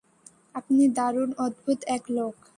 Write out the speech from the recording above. আপনি দারুণ অদ্ভুত এক লোক।